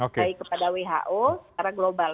baik kepada who secara global